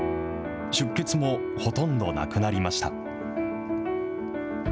出血もほとんどなくなりました。